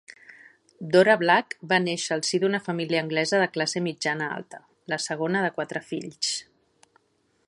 Dora Black va néixer al si d'una família anglesa de classe mitjana-alta, la segona de quatre fills.